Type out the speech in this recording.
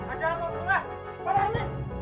jangan kau sudah